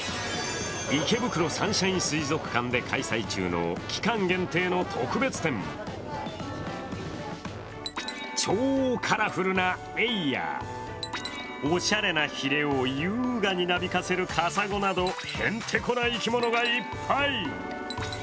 池袋サンシャイン水族館で開催中の期間限定の特別展、超カラフルなエイやおしゃれなヒレを優雅になびかせるカサゴなどへんてこな生き物がいっぱい。